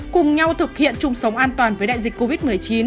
cùng nhau thực hiện chung sống an toàn với đại dịch covid một mươi chín